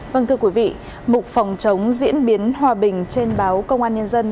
vâng thưa quý vị mục phòng chống diễn biến hòa bình trên báo công an nhân dân